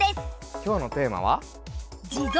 今日のテーマは？